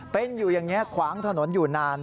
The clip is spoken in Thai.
เป็นอยู่อย่างนี้ขวางถนนอยู่นาน